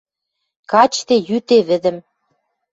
Качде, йӱде вӹдӹм.